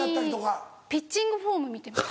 常にピッチングフォーム見てます。